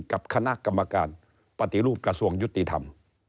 กับคณะกรรมการปฏิรูปกระทรวงยุติธรรม